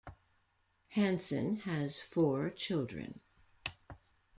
Hansen has four children.